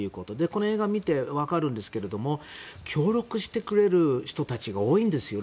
この映画見て分かるんですけど協力してくれる人たちが多いんですよ。